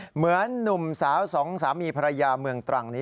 หนุ่มสาวสองสามีภรรยาเมืองตรังนี้